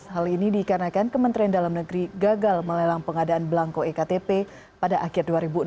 hal ini dikarenakan kementerian dalam negeri gagal melelang pengadaan belangko iktp pada akhir dua ribu enam belas